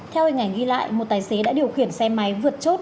theo hình ảnh ghi lại một tài xế đã điều khiển xe máy vượt chốt